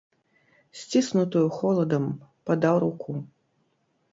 Сціснутую холадам падаў руку.